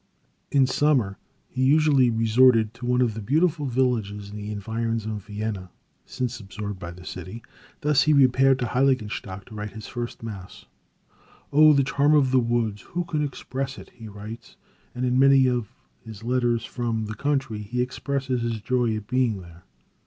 In summer he usually resorted to one of the beautiful villages in the environs of Vienna, since absorbed by the city. Thus he repaired to Heiligenstadt to write his first mass. "Oh, the charm of the woods, who can express it!" he writes, and in many of his letters from the country, he expresses his joy at being there.